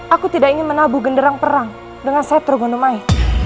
aku tidak ingin menabuh genderang perang dengan setro gundumai